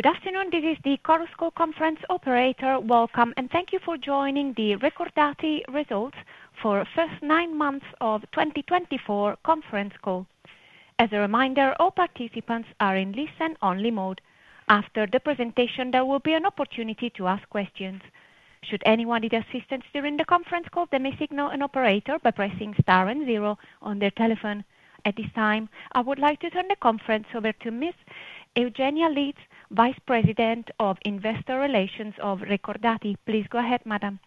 Good afternoon, this is the Chorus Call Conference Operator. Welcome, and thank you for joining the Recordati Results for the first nine months of 2024 conference call. As a reminder, all participants are in listen-only mode. After the presentation, there will be an opportunity to ask questions. Should anyone need assistance during the conference call, they may signal an operator by pressing star and zero on their telephone. At this time, I would like to turn the conference over to Miss Eugenia Litz, Vice President of Investor Relations of Recordati. Please go ahead, Madam.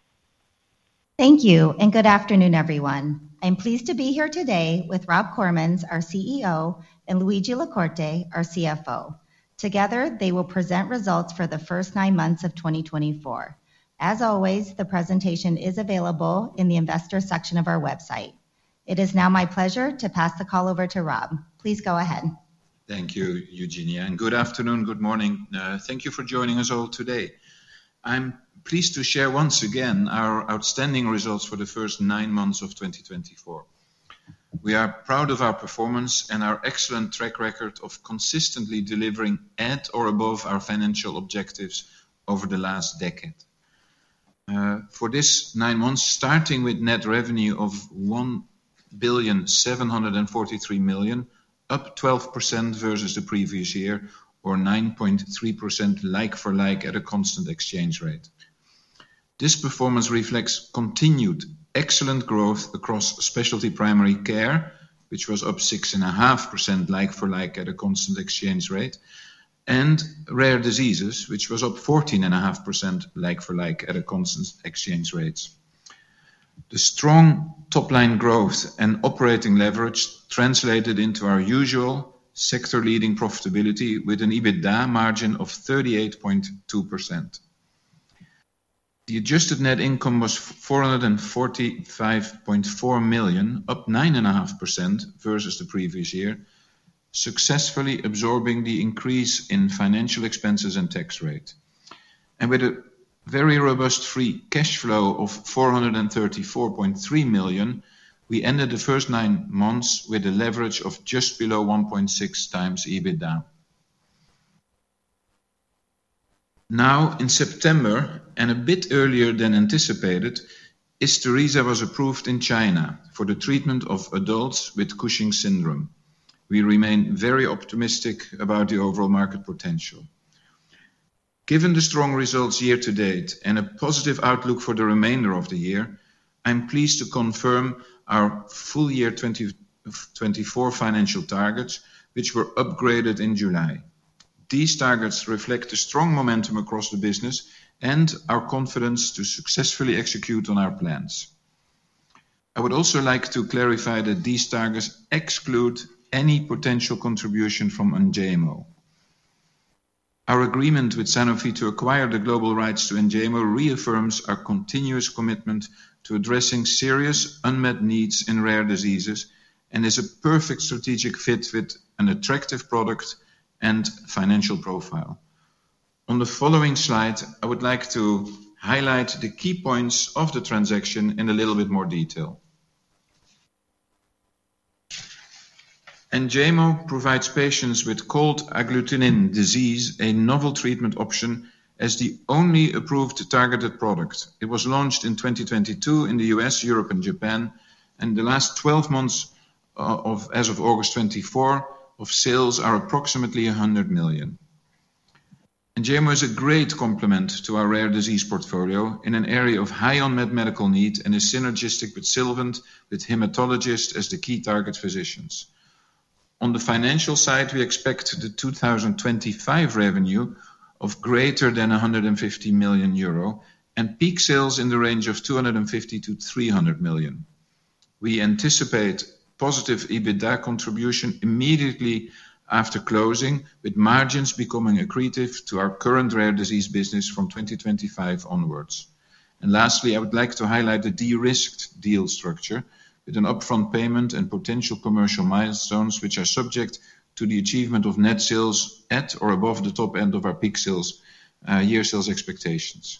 Thank you, and good afternoon, everyone. I'm pleased to be here today with Rob Koremans, our CEO, and Luigi La Corte, our CFO. Together, they will present results for the first nine months of 2024. As always, the presentation is available in the Investor section of our website. It is now my pleasure to pass the call over to Rob. Please go ahead. Thank you, Eugenia, and good afternoon, good morning. Thank you for joining us all today. I'm pleased to share once again our outstanding results for the first nine months of 2024. We are proud of our performance and our excellent track record of consistently delivering at or above our financial objectives over the last decade. For this nine months, starting with net revenue of 1,743 million, up 12% versus the previous year, or 9.3% like-for-like at a constant exchange rate. This performance reflects continued excellent growth across specialty primary care, which was up 6.5% like-for-like at a constant exchange rate, and rare diseases, which was up 14.5% like-for-like at a constant exchange rate. The strong top-line growth and operating leverage translated into our usual sector-leading profitability with an EBITDA margin of 38.2%. The adjusted net income was €445.4 million, up 9.5% versus the previous year, successfully absorbing the increase in financial expenses and tax rate, and with a very robust free cash flow of €434.3 million, we ended the first nine months with a leverage of just below 1.6 times EBITDA. Now, in September, and a bit earlier than anticipated, Isturisa was approved in China for the treatment of adults with Cushing's syndrome. We remain very optimistic about the overall market potential. Given the strong results year to date and a positive outlook for the remainder of the year, I'm pleased to confirm our full year 2024 financial targets, which were upgraded in July. These targets reflect the strong momentum across the business and our confidence to successfully execute on our plans. I would also like to clarify that these targets exclude any potential contribution from Enjaymo. Our agreement with Sanofi to acquire the global rights to Enjaymo reaffirms our continuous commitment to addressing serious unmet needs in rare diseases and is a perfect strategic fit with an attractive product and financial profile. On the following slide, I would like to highlight the key points of the transaction in a little bit more detail. Enjaymo provides patients with cold agglutinin disease, a novel treatment option, as the only approved targeted product. It was launched in 2022 in the U.S., Europe, and Japan, and the last 12 months as of August 24 of sales are approximately $100 million. Enjaymo is a great complement to our rare disease portfolio in an area of high unmet medical need and is synergistic with Sylvant, with hematologists as the key target physicians. On the financial side, we expect the 2025 revenue of greater than €150 million and peak sales in the range of €250-300 million. We anticipate positive EBITDA contribution immediately after closing, with margins becoming accretive to our current rare disease business from 2025 onwards. Lastly, I would like to highlight the de-risked deal structure with an upfront payment and potential commercial milestones, which are subject to the achievement of net sales at or above the top end of our peak sales year sales expectations.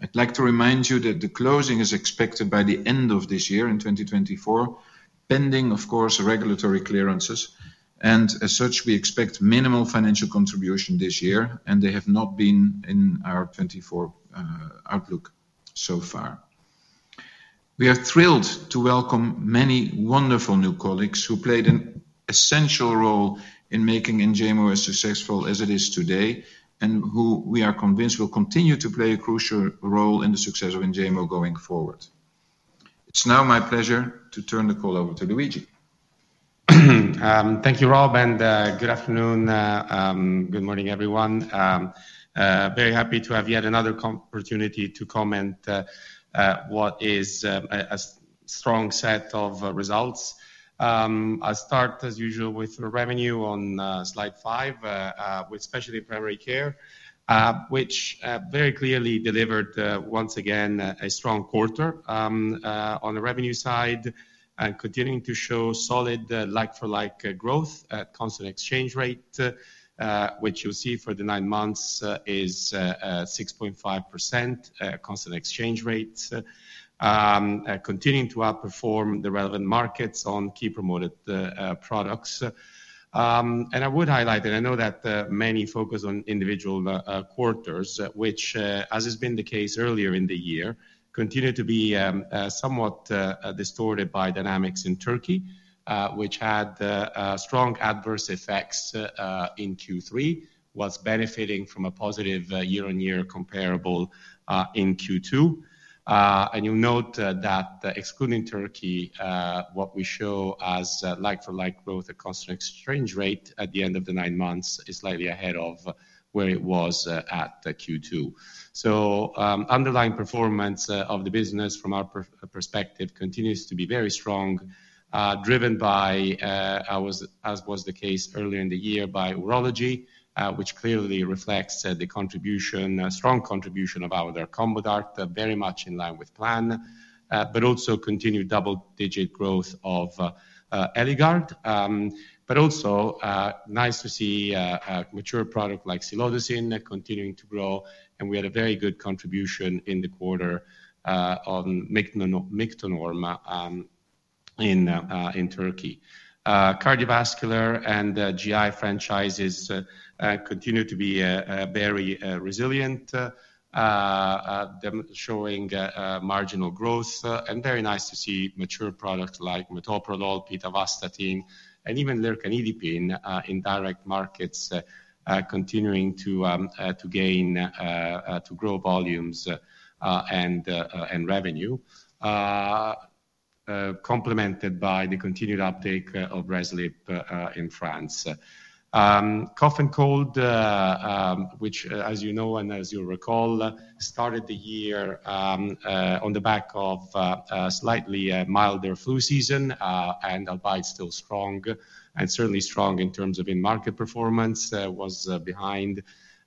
I'd like to remind you that the closing is expected by the end of this year in 2024, pending, of course, regulatory clearances. As such, we expect minimal financial contribution this year, and they have not been in our 2024 outlook so far. We are thrilled to welcome many wonderful new colleagues who played an essential role in making Enjaymo as successful as it is today and who we are convinced will continue to play a crucial role in the success of Enjaymo going forward. It's now my pleasure to turn the call over to Luigi. Thank you, Rob, and good afternoon. Good morning, everyone. Very happy to have yet another opportunity to comment on what is a strong set of results. I'll start, as usual, with revenue on slide five with Specialty Primary Care, which very clearly delivered once again a strong quarter on the revenue side and continuing to show solid like-for-like growth at constant exchange rate, which you'll see for the nine months is 6.5% constant exchange rate, continuing to outperform the relevant markets on key promoted products. And I would highlight, and I know that many focus on individual quarters, which, as has been the case earlier in the year, continue to be somewhat distorted by dynamics in Turkey, which had strong adverse effects in Q3, while benefiting from a positive year-on-year comparable in Q2. And you'll note that excluding Turkey, what we show as like-for-like growth at constant exchange rate at the end of the nine months is slightly ahead of where it was at Q2. So underlying performance of the business from our perspective continues to be very strong, driven by, as was the case earlier in the year, by Urology, which clearly reflects the contribution, strong contribution of our Combodart, very much in line with plan, but also continued double-digit growth of Eligard. But also nice to see a mature product like silodosin continuing to grow, and we had a very good contribution in the quarter on Mictonorm in Turkey. Cardiovascular and GI franchises continue to be very resilient, showing marginal growth, and very nice to see mature products like Isturisametoprolol, pitavastatin, and even lercanidipine in direct markets continuing to gain to grow volumes and revenue, complemented by the continued uptake of Reclip in France. Cough and Cold, which, as you know and as you recall, started the year on the back of slightly milder flu season, and albeit still strong, and certainly strong in terms of in-market performance, was behind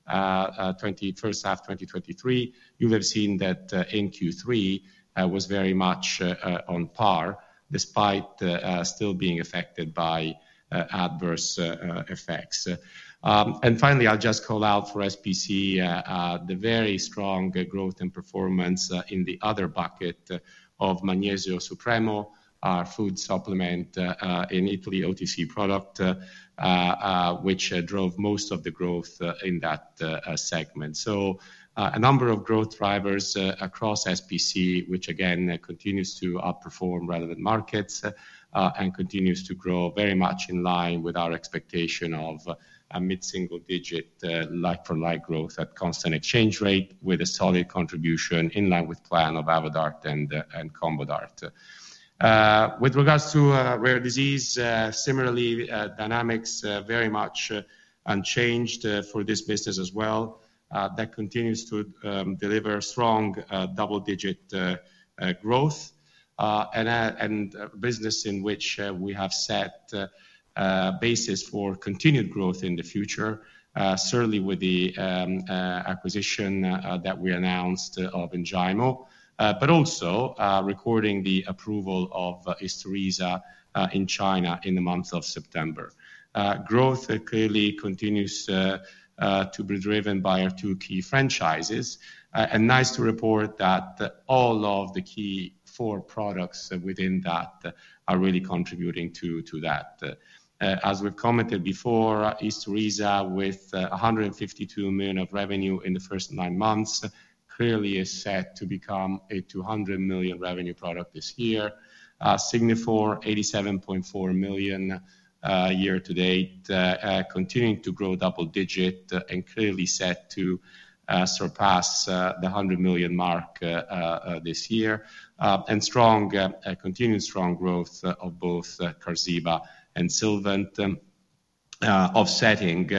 first half 2023. You have seen that in Q3 was very much on par, despite still being affected by adverse effects. Finally, I'll just call out for SPC the very strong growth and performance in the other bucket of Magnesio Supremo, our food supplement in Italy, OTC product, which drove most of the growth in that segment. So a number of growth drivers across SPC, which again continues to outperform relevant markets and continues to grow very much in line with our expectation of a mid-single-digit like-for-like growth at constant exchange rate, with a solid contribution in line with plan of Avodart and Combodart. With regards to rare disease, similarly, dynamics very much unchanged for this business as well that continues to deliver strong double-digit growth and a business in which we have set basis for continued growth in the future, certainly with the acquisition that we announced of Enjaymo, but also recording the approval of Isturisa in China in the month of September. Growth clearly continues to be driven by our two key franchises, and nice to report that all of the key four products within that are really contributing to that. As we've commented before, Isturisa with 152 million of revenue in the first nine months clearly is set to become a 200 million revenue product this year. Signifor 87.4 million year to date, continuing to grow double-digit and clearly set to surpass the 100 million mark this year, and continuing strong growth of both Qarziba and Sylvant, offsetting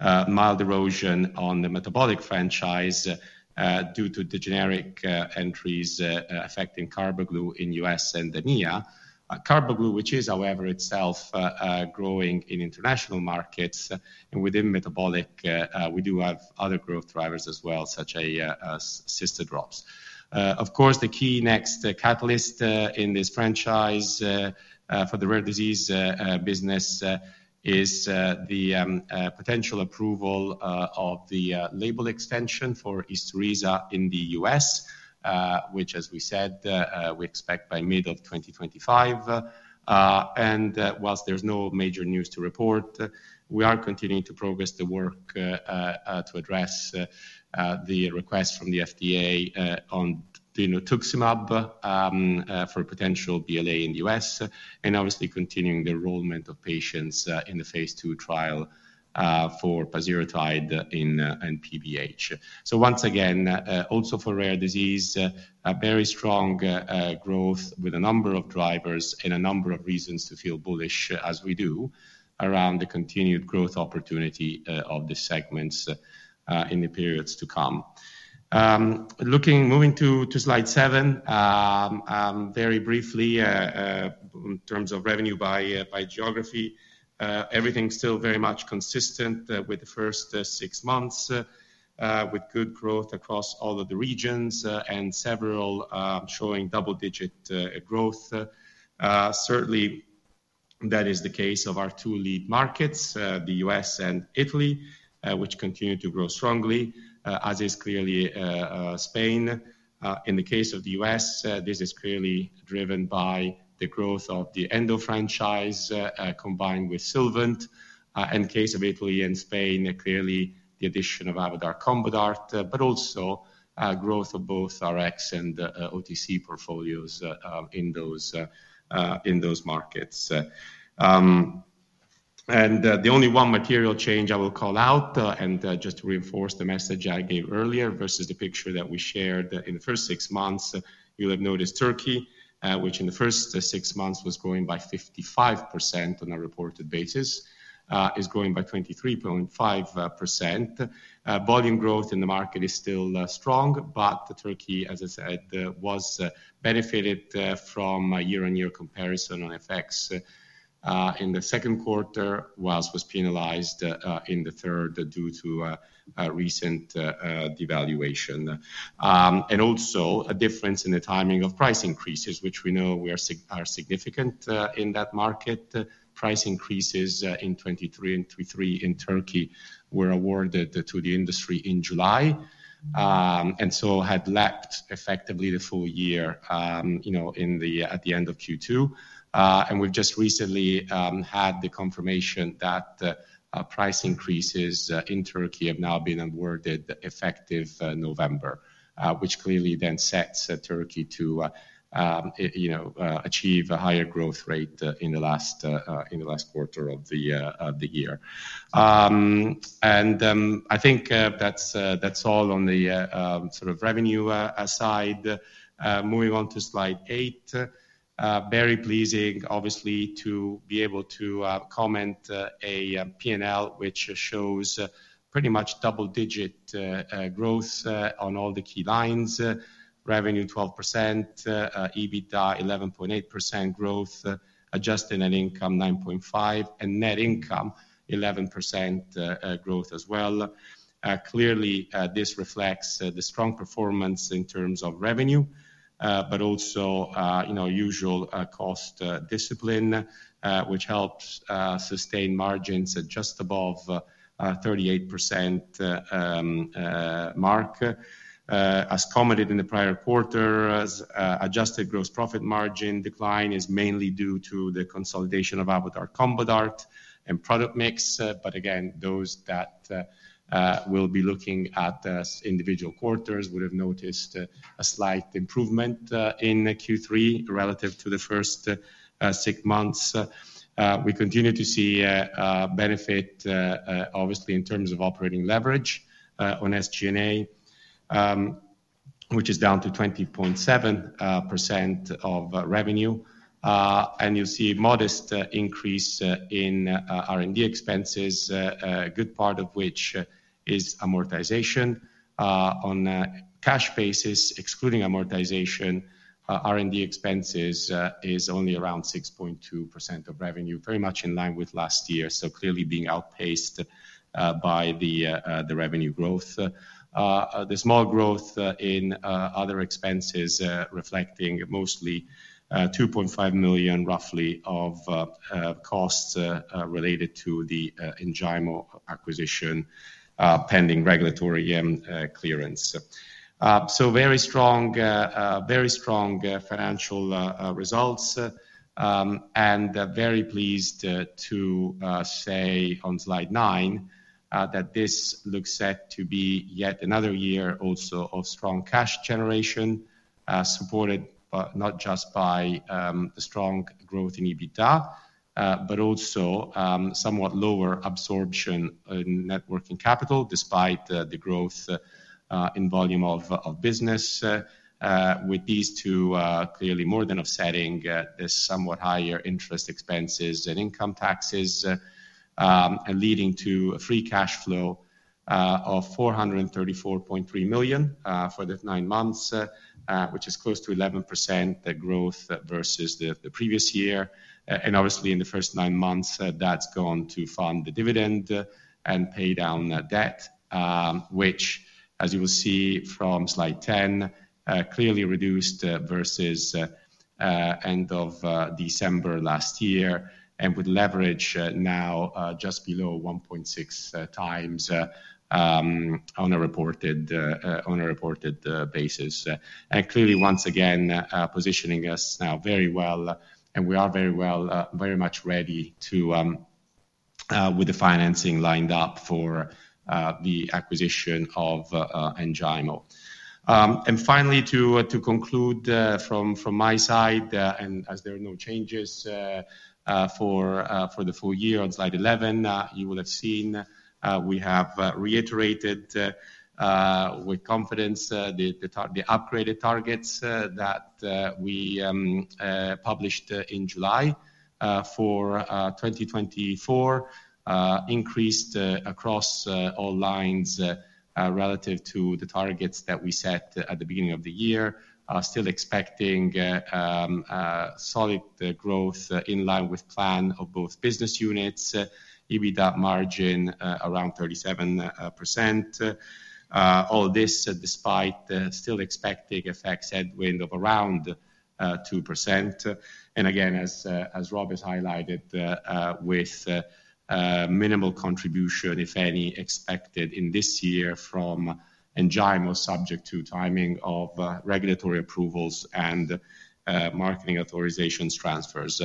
mild erosion on the metabolic franchise due to the generic entries affecting Carbaglu in U.S. and EMEA. Carbaglu, which is, however, itself growing in international markets, and within metabolic, we do have other growth drivers as well, such as Cystadrops. Of course, the key next catalyst in this franchise for the rare disease business is the potential approval of the label extension for Isturisa in the U.S., which, as we said, we expect by mid of 2025. While there's no major news to report, we are continuing to progress the work to address the request from the FDA on dinutuximab for potential BLA in the U.S., and obviously continuing the enrollment of patients in the phase two trial for pasireotide and PBH. So once again, also for rare disease, very strong growth with a number of drivers and a number of reasons to feel bullish, as we do, around the continued growth opportunity of the segments in the periods to come. Looking, moving to slide seven, very briefly, in terms of revenue by geography, everything's still very much consistent with the first six months, with good growth across all of the regions and several showing double-digit growth. Certainly, that is the case of our two lead markets, the U.S. and Italy, which continue to grow strongly, as is clearly Spain. In the case of the U.S., this is clearly driven by the growth of the Endo franchise combined with Sylvant. In the case of Italy and Spain, clearly the addition of Avodart Combodart, but also growth of both Rx and OTC portfolios in those markets. And the only one material change I will call out, and just to reinforce the message I gave earlier versus the picture that we shared in the first six months, you'll have noticed Turkey, which in the first six months was growing by 55% on a reported basis, is growing by 23.5%. Volume growth in the market is still strong, but Turkey, as I said, was benefited from year-on-year comparison on FX in the second quarter, while was penalized in the third due to recent devaluation. And also a difference in the timing of price increases, which we know are significant in that market. Price increases in 2023 and 2023 in Turkey were awarded to the industry in July, and so had lapped effectively the full year at the end of Q2, and we've just recently had the confirmation that price increases in Turkey have now been awarded effective November, which clearly then sets Turkey to achieve a higher growth rate in the last quarter of the year, and I think that's all on the sort of revenue side. Moving on to slide eight, very pleasing, obviously, to be able to comment a P&L, which shows pretty much double-digit growth on all the key lines. Revenue 12%, EBITDA 11.8% growth, adjusted net income 9.5%, and net income 11% growth as well. Clearly, this reflects the strong performance in terms of revenue, but also usual cost discipline, which helps sustain margins at just above 38% mark. As commented in the prior quarter, adjusted gross profit margin decline is mainly due to the consolidation of Avodart Combodart and product mix. But again, those that will be looking at individual quarters would have noticed a slight improvement in Q3 relative to the first six months. We continue to see benefit, obviously, in terms of operating leverage on SG&A, which is down to 20.7% of revenue. And you'll see modest increase in R&D expenses, a good part of which is amortization on cash basis. Excluding amortization, R&D expenses is only around 6.2% of revenue, very much in line with last year, so clearly being outpaced by the revenue growth. The small growth in other expenses reflecting mostly €2.5 million, roughly, of costs related to the Enjaymo acquisition pending regulatory clearance. Very strong financial results, and very pleased to say on slide nine that this looks set to be yet another year also of strong cash generation supported not just by the strong growth in EBITDA, but also somewhat lower absorption in net working capital, despite the growth in volume of business. With these two, clearly more than offsetting this somewhat higher interest expenses and income taxes and leading to a free cash flow of 434.3 million for the nine months, which is close to 11% growth versus the previous year. Obviously, in the first nine months, that's gone to fund the dividend and pay down debt, which, as you will see from slide 10, clearly reduced versus end of December last year and with leverage now just below 1.6 times on a reported basis. Clearly, once again, positioning us now very well, and we are very much ready with the financing lined up for the acquisition of Enjaymo. Finally, to conclude from my side, and as there are no changes for the full year on slide 11, you will have seen we have reiterated with confidence the upgraded targets that we published in July for 2024, increased across all lines relative to the targets that we set at the beginning of the year, still expecting solid growth in line with plan of both business units, EBITDA margin around 37%. All this despite still expecting FX headwind of around 2%. Again, as Robert highlighted, with minimal contribution, if any, expected in this year from Enjaymo, subject to timing of regulatory approvals and marketing authorizations transfers.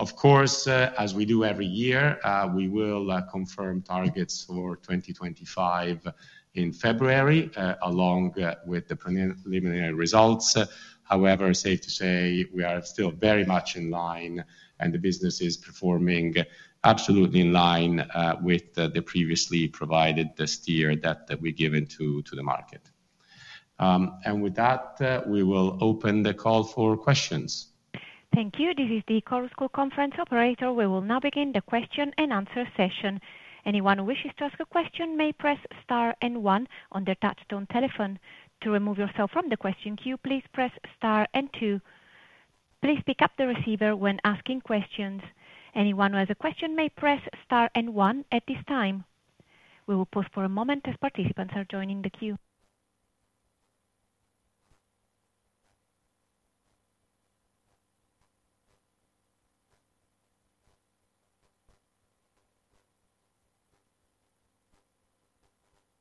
Of course, as we do every year, we will confirm targets for 2025 in February along with the preliminary results. However, safe to say we are still very much in line, and the business is performing absolutely in line with the previously provided steer that we give into the market. And with that, we will open the call for questions. Thank you. This is the Chorus Call Conference Operator. We will now begin the question and answer session. Anyone who wishes to ask a question may press star and one on their touch-tone telephone. To remove yourself from the question queue, please press star and two. Please pick up the receiver when asking questions. Anyone who has a question may press star and one at this time. We will pause for a moment as participants are joining the queue.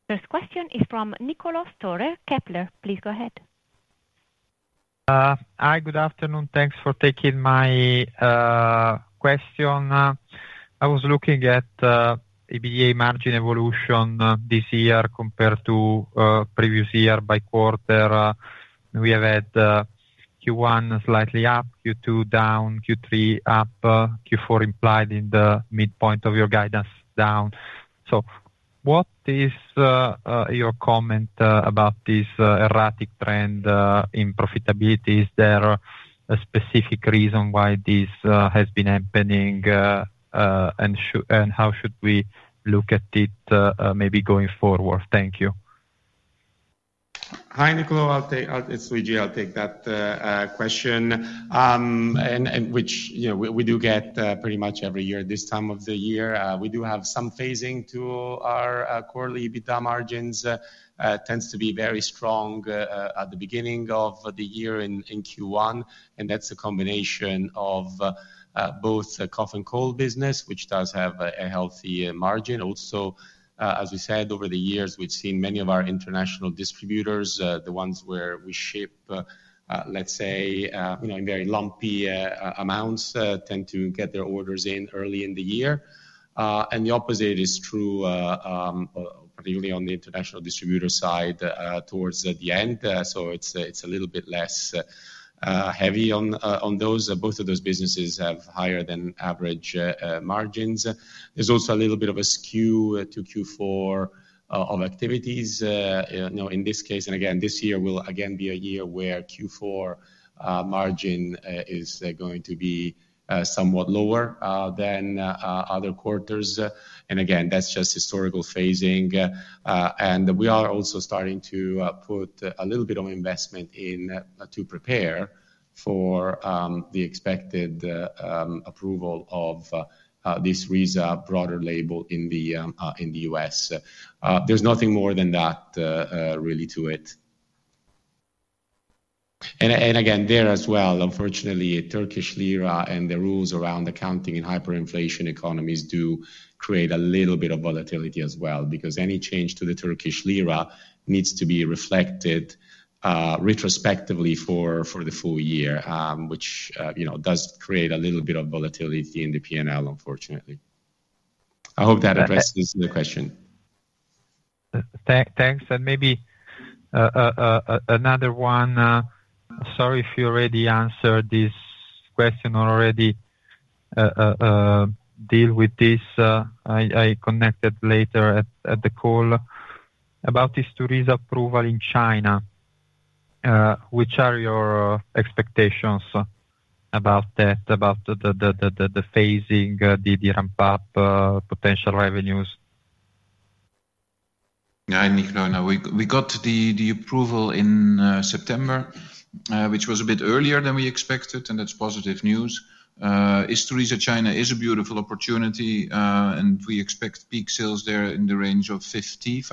First question is from Niccolò Storer, Kepler Cheuvreux. Please go ahead. Hi, good afternoon. Thanks for taking my question. I was looking at EBITDA margin evolution this year compared to previous year by quarter. We have had Q1 slightly up, Q2 down, Q3 up, Q4 implied in the midpoint of your guidance down. So what is your comment about this erratic trend in profitability? Is there a specific reason why this has been happening, and how should we look at it maybe going forward? Thank you. Hi, Nicola. I'll take that question, which we do get pretty much every year this time of the year. We do have some phasing to our quarterly EBITDA margins. It tends to be very strong at the beginning of the year in Q1, and that's a combination of both cough and cold business, which does have a healthy margin. Also, as we said, over the years, we've seen many of our international distributors, the ones where we ship, let's say, in very lumpy amounts, tend to get their orders in early in the year. And the opposite is true, particularly on the international distributor side towards the end. So it's a little bit less heavy on those. Both of those businesses have higher than average margins. There's also a little bit of a skew to Q4 of activities in this case. And again, this year will again be a year where Q4 margin is going to be somewhat lower than other quarters. And again, that's just historical phasing. And we are also starting to put a little bit of investment into prepare for the expected approval of this Isturisa broader label in the U.S. There's nothing more than that really to it. And again, there as well, unfortunately, Turkish Lira and the rules around accounting in hyperinflation economies do create a little bit of volatility as well, because any change to the Turkish Lira needs to be reflected retrospectively for the full year, which does create a little bit of volatility in the P&L, unfortunately. I hope that addresses the question. Thanks. And maybe another one. Sorry if you already answered this question. I commented later in the call about this Isturisa approval in China. What are your expectations about that, about the phasing, the ramp-up, potential revenues? Yeah, Niccolò, we got the approval in September, which was a bit earlier than we expected, and that's positive news. Isturisa in China is a beautiful opportunity, and we expect peak sales there in the range of 50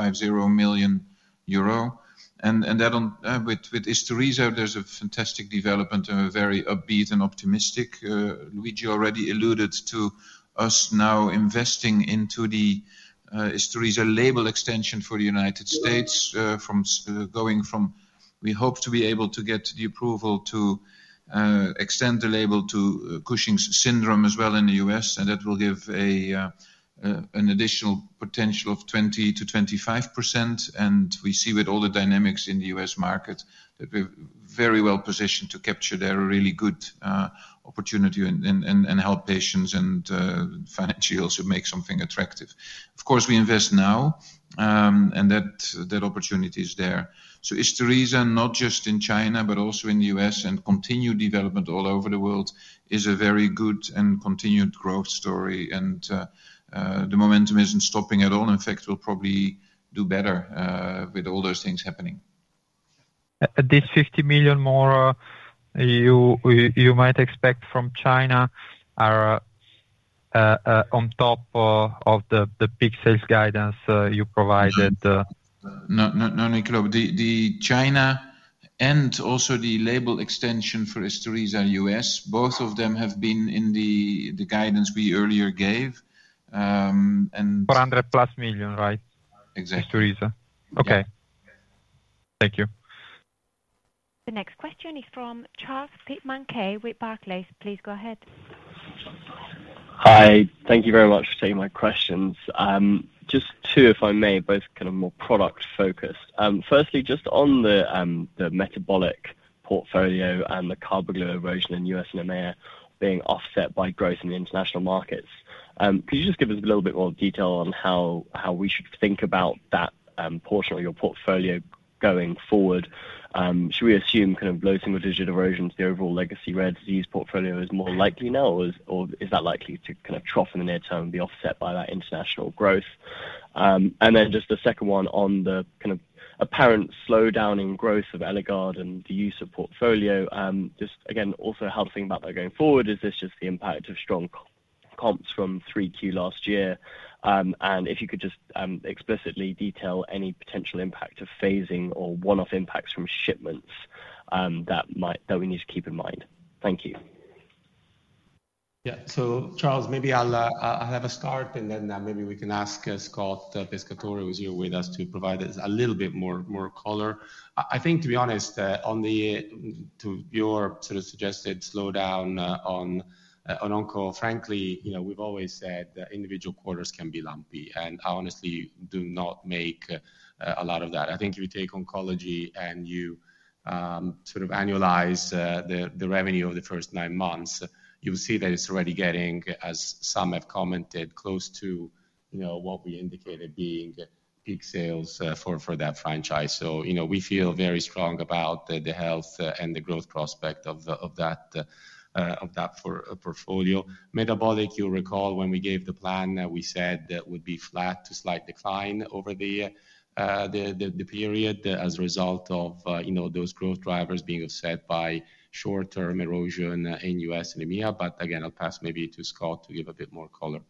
million euro. And with Isturisa, there's a fantastic development, very upbeat and optimistic. Luigi already alluded to us now investing into Isturisa as a label extension for the United States, going from we hope to be able to get the approval to extend the label to Cushing's syndrome as well in the U.S., and that will give an additional potential of 20%-25%. And we see with all the dynamics in the U.S. market that we're very well positioned to capture their really good opportunity and help patients and financials to make something attractive. Of course, we invest now, and that opportunity is there. So history is not just in China, but also in the U.S., and continued development all over the world is a very good and continued growth story. And the momentum isn't stopping at all. In fact, we'll probably do better with all those things happening. This €50 million more you might expect from China are on top of the peak sales guidance you provided? No, Niccolò. The China and also the label extension for Isturisa in our US. Both of them have been in the guidance we earlier gave. 400 plus million, right? Exactly. Isturisa. Okay. Thank you. The next question is from Charles Pitman with Barclays. Please go ahead. Hi. Thank you very much for taking my questions. Just two, if I may, both kind of more product focused. Firstly, just on the metabolic portfolio and the Carbaglu erosion in U.S. and EMEA being offset by growth in the international markets. Could you just give us a little bit more detail on how we should think about that portion of your portfolio going forward? Should we assume kind of low single-digit erosion to the overall legacy rare disease portfolio is more likely now, or is that likely to kind of trough in the near term be offset by that international growth? And then just the second one on the kind of apparent slowdown in growth of Eligard and the U.S. portfolio. Just again, also how to think about that going forward. Is this just the impact of strong comps from 3Q last year? And if you could just explicitly detail any potential impact of phasing or one-off impacts from shipments that we need to keep in mind? Thank you. Yeah. So Charles, maybe I'll have a start, and then maybe we can ask Scott Pescatore, who's here with us, to provide us a little bit more color. I think, to be honest, to your sort of suggested slowdown on onco, frankly, we've always said individual quarters can be lumpy, and I honestly do not make a lot of that. I think if you take oncology and you sort of annualize the revenue of the first nine months, you'll see that it's already getting, as some have commented, close to what we indicated being peak sales for that franchise. So we feel very strong about the health and the growth prospect of that portfolio. Metabolic, you'll recall when we gave the plan that we said that would be flat to slight decline over the period as a result of those growth drivers being offset by short-term erosion in US and EMEA. But again, I'll pass maybe to Scott to give a bit more color.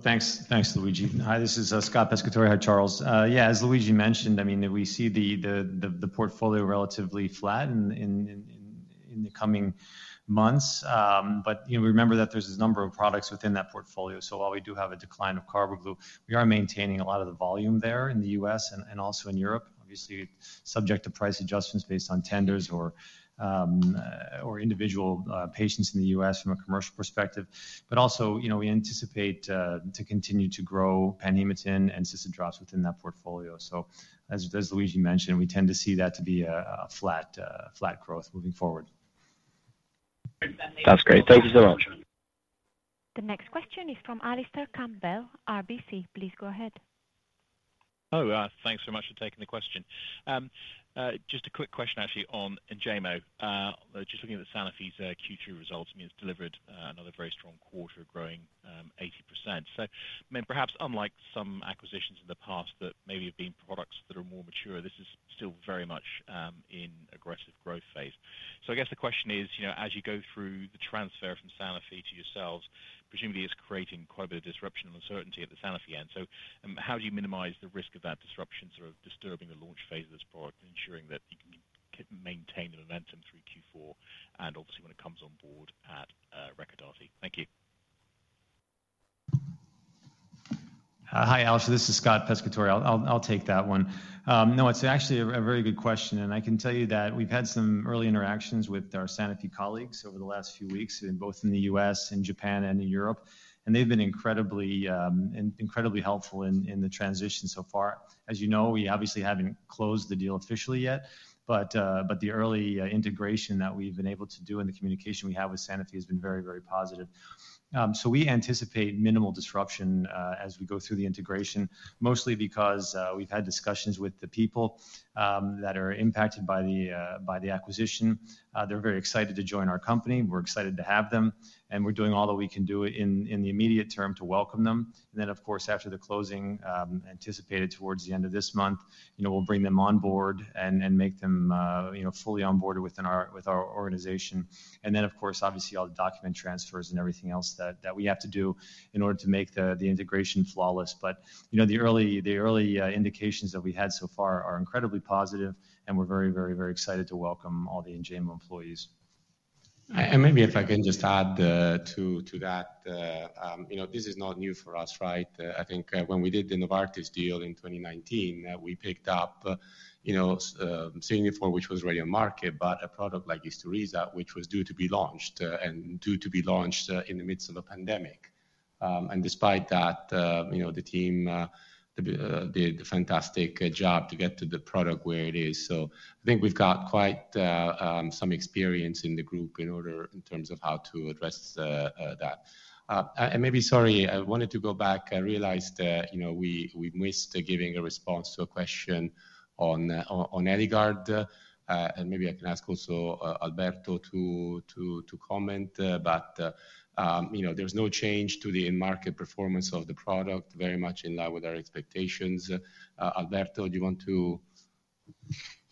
Thanks, Luigi. Hi, this is Scott Pescatore. Hi, Charles. Yeah, as Luigi mentioned, I mean, we see the portfolio relatively flat in the coming months. But remember that there's a number of products within that portfolio. So while we do have a decline of Carbaglu, we are maintaining a lot of the volume there in the US and also in Europe, obviously subject to price adjustments based on tenders or individual patients in the US from a commercial perspective. But also we anticipate to continue to grow Panhematin and Cystadrops within that portfolio. So as Luigi mentioned, we tend to see that to be a flat growth moving forward. Sounds great. Thank you so much. The next question is from Alastair Campbell, RBC. Please go ahead. Oh, thanks so much for taking the question. Just a quick question, actually, on Enjaymo. Just looking at the Sanofi Q2 results, I mean, it's delivered another very strong quarter of growing 80%. So I mean, perhaps unlike some acquisitions in the past that maybe have been products that are more mature, this is still very much in aggressive growth phase. So I guess the question is, as you go through the transfer from Sanofi to yourselves, presumably it's creating quite a bit of disruption and uncertainty at the Sanofi end. So how do you minimize the risk of that disruption sort of disturbing the launch phase of this product and ensuring that you can maintain the momentum through Q4 and obviously when it comes on board at Recordati? Thank you. Hi, Alastair. This is Scott Pescatore. I'll take that one. No, it's actually a very good question. And I can tell you that we've had some early interactions with our Sanofi colleagues over the last few weeks, both in the U.S. and Japan and in Europe. And they've been incredibly helpful in the transition so far. As you know, we obviously haven't closed the deal officially yet, but the early integration that we've been able to do and the communication we have with Sanofi has been very, very positive. So we anticipate minimal disruption as we go through the integration, mostly because we've had discussions with the people that are impacted by the acquisition. They're very excited to join our company. We're excited to have them, and we're doing all that we can do in the immediate term to welcome them. And then, of course, after the closing anticipated towards the end of this month, we'll bring them on board and make them fully on board with our organization. And then, of course, obviously, all the document transfers and everything else that we have to do in order to make the integration flawless. But the early indications that we had so far are incredibly positive, and we're very, very, very excited to welcome all the Enjaymo employees. And maybe if I can just add to that, this is not new for us, right? I think when we did the Novartis deal in 2019, we picked up Singapore, which was already on market, but a product like Isturisa, which was due to be launched and due to be launched in the midst of a pandemic. And despite that, the team did a fantastic job to get to the product where it is. So I think we've got quite some experience in the group in terms of how to address that. And maybe, sorry, I wanted to go back. I realized we missed giving a response to a question on Eligard. And maybe I can ask also Alberto to comment, but there's no change to the in-market performance of the product, very much in line with our expectations. Alberto, do you want to?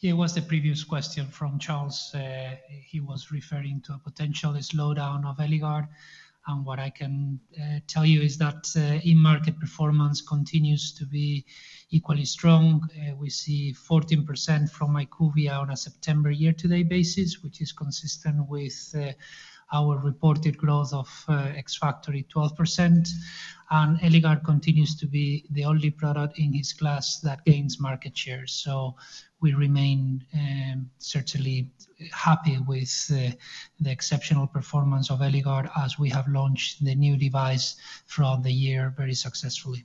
Yeah, it was the previous question from Charles. He was referring to a potential slowdown of Eligard. And what I can tell you is that in-market performance continues to be equally strong. We see 14% from IQVIA on a September year-to-date basis, which is consistent with our reported growth of ex-factory 12%. And Eligard continues to be the only product in his class that gains market share. So we remain certainly happy with the exceptional performance of Eligard as we have launched the new device throughout the year very successfully.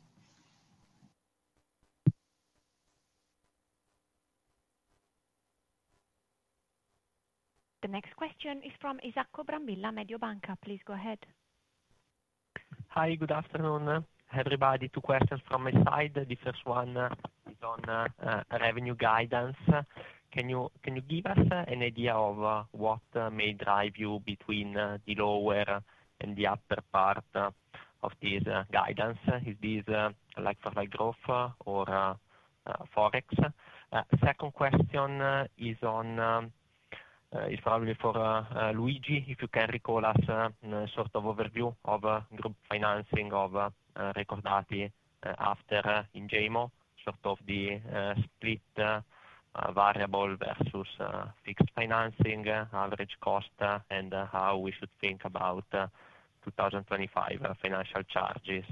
The next question is from Isacco Brambilla, Mediobanca. Please go ahead. Hi, good afternoon, everybody. Two questions from my side. The first one is on revenue guidance. Can you give us an idea of what may drive you between the lower and the upper part of this guidance? Is this like for like growth or forex? Second question is probably for Luigi, if you can recall us a sort of overview of group financing of Recordati after Enjaymo, sort of the split variable versus fixed financing, average cost, and how we should think about 2025 financial charges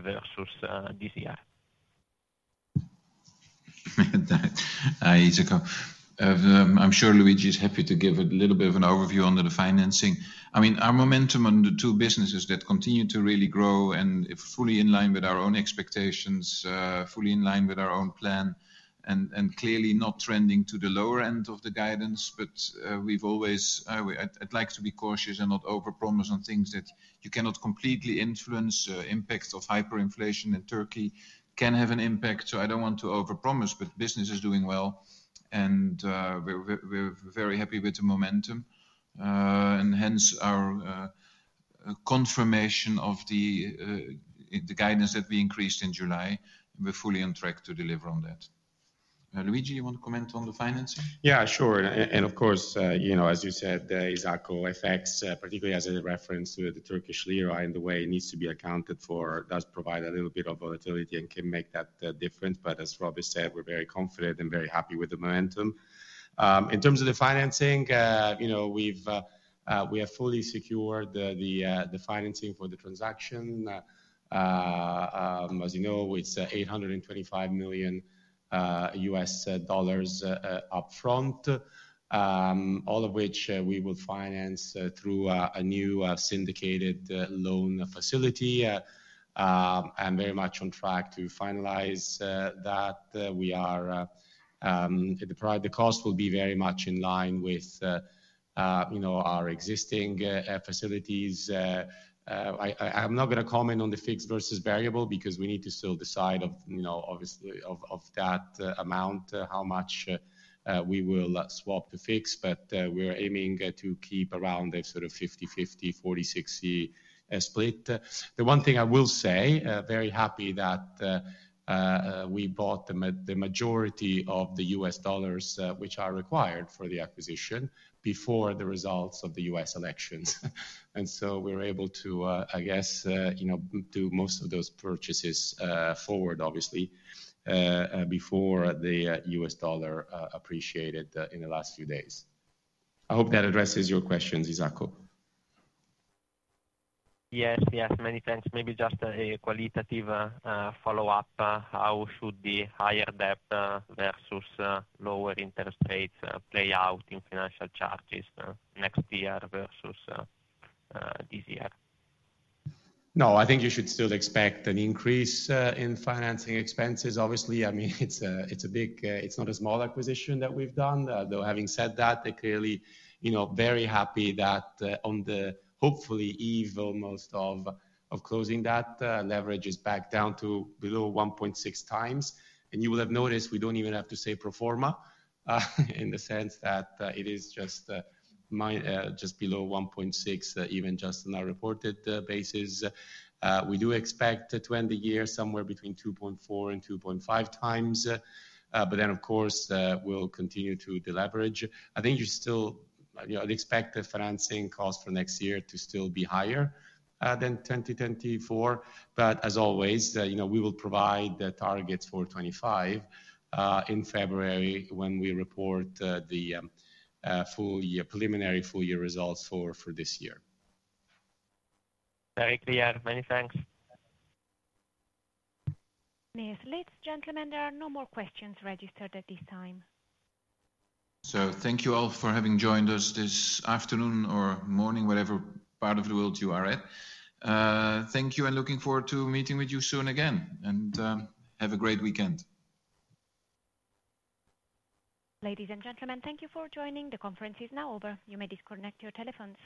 versus this year. Hi, Isacco. I'm sure Luigi is happy to give a little bit of an overview under the financing. I mean, our momentum under two businesses that continue to really grow and fully in line with our own expectations, fully in line with our own plan, and clearly not trending to the lower end of the guidance. But we've always liked to be cautious and not overpromise on things that you cannot completely influence. The impact of hyperinflation in Turkey can have an impact. So I don't want to overpromise, but business is doing well, and we're very happy with the momentum. And hence our confirmation of the guidance that we increased in July. We're fully on track to deliver on that. Luigi, you want to comment on the financing? Yeah, sure. And of course, as you said, Isacco effects, particularly as a reference to the Turkish lira in the way it needs to be accounted for, does provide a little bit of volatility and can make that difference. But as Rob has said, we're very confident and very happy with the momentum. In terms of the financing, we have fully secured the financing for the transaction. As you know, it's $825 million upfront, all of which we will finance through a new syndicated loan facility. I'm very much on track to finalize that. The cost will be very much in line with our existing facilities. I'm not going to comment on the fixed versus variable because we need to still decide of, obviously, of that amount, how much we will swap to fix. But we're aiming to keep around the sort of 50-50, 40-60 split. The one thing I will say, very happy that we bought the majority of the U.S. dollars which are required for the acquisition before the results of the U.S. elections, and so we were able to, I guess, do most of those purchases forward, obviously, before the U.S. dollar appreciated in the last few days. I hope that addresses your questions, Isacco. Yes, yes. Many thanks. Maybe just a qualitative follow-up. How should the higher debt versus lower interest rates play out in financial charges next year versus this year? No, I think you should still expect an increase in financing expenses, obviously. I mean, it's a big, it's not a small acquisition that we've done. Though having said that, they're clearly very happy that on the hopefully even at closing that leverage is back down to below 1.6 times. And you will have noticed we don't even have to say pro forma in the sense that it is just below 1.6, even just on our reported basis. We do expect in two years, somewhere between 2.4-2.5 times. But then, of course, we'll continue to deleverage. I think you should still expect the financing cost for next year to still be higher than 2024. But as always, we will provide the targets for 2025 in February when we report the preliminary full-year results for this year. Thank you, Luigi. Many thanks. Leslie, gentlemen, there are no more questions registered at this time. Thank you all for having joined us this afternoon or morning, whatever part of the world you are at. Thank you, and looking forward to meeting with you soon again. Have a great weekend. Ladies and gentlemen, thank you for joining. The conference is now over. You may disconnect your telephones.